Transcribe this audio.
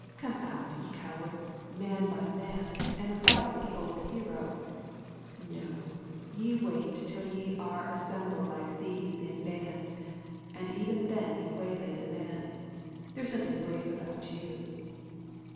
Come out, ye cowards, man by man, and fight the old hero I No, ye wait till ye are assembled like thieves in bands, and even then ye waylay the man. There is nothing brave about you.